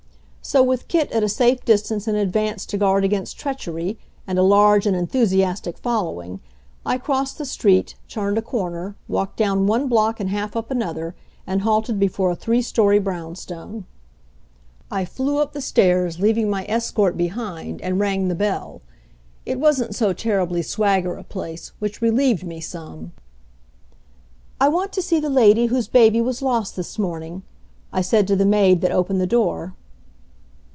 So, with Kit at a safe distance in advance to guard against treachery, and a large and enthusiastic following, I crossed the street, turned a corner, walked down one block and half up another, and halted before a three story brownstone. I flew up the stairs, leaving my escort behind, and rang the bell. It wasn't so terribly swagger a place, which relieved me some. "I want to see the lady whose baby was lost this morning," I said to the maid that opened the door.